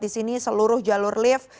di sini seluruh jalur lift